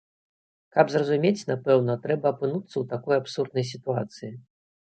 Каб зразумець, напэўна, трэба апынуцца ў такой абсурднай сітуацыі.